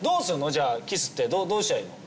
じゃあキスってどうしたらいいの？